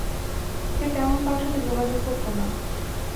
সে তেমন কারো সাথে যোগাযোগ করত না।